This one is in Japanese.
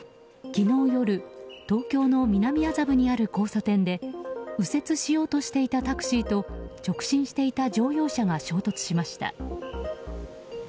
昨日夜東京の南麻布にある交差点で右折しようとしていたタクシーと直進していた乗用車が衝突しました。